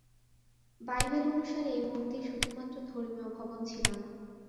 Bible অনুসারে এই মন্দির শুধুমাত্র ধর্মীয় ভবন ছিলো না।